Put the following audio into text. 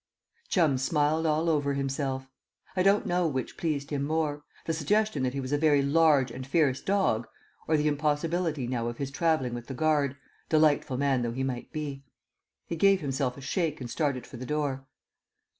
Chum smiled all over himself. I don't know which pleased him more the suggestion that he was a very large and fierce dog, or the impossibility now of his travelling with the guard, delightful man though he might be. He gave himself a shake and started for the door.